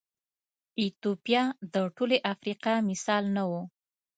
ایتوپیا د ټولې افریقا مثال نه و.